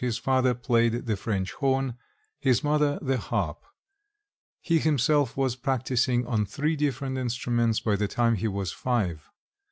His father played the French horn, his mother the harp; he himself was practising on three different instruments by the time he was five.